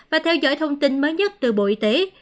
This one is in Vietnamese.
và theo dõi thông tin mới nhất từ bộ y tế